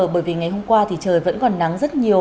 bởi vì ngày hôm qua thì trời vẫn còn nắng rất nhiều